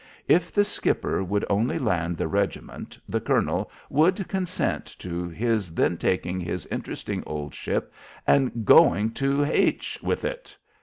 If the skipper would only land the regiment the colonel would consent to his then taking his interesting old ship and going to h with it.